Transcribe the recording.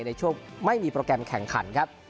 ในช่วงไม่มีโปรแกรมแข่งขันครับ